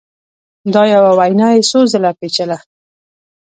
دا یوه وینا یې څو ځله پېچله